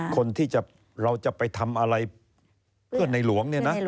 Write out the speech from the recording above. คนที่เราจะไปทำอะไรเพื่อนในหลวงเนี่ยนะ